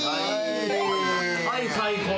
はい最高。